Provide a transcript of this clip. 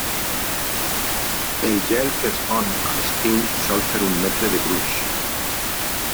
El gel que es fon a l'estiu sol fer un metre de gruix.